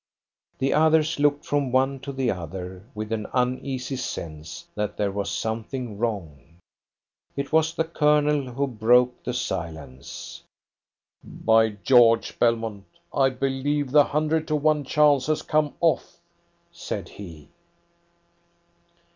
The others looked from one to the other with an uneasy sense that there was something wrong. It was the Colonel who broke the silence. "By George, Belmont, I believe the hundred to one chance has come off!" said he.